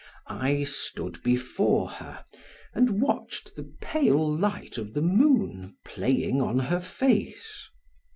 I stood before her and watched the pale light of the moon playing on her face.